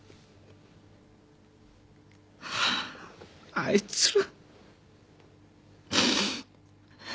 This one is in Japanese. あいつら。